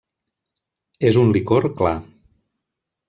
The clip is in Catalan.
És un licor clar.